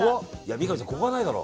三上さん、ここはないだろ。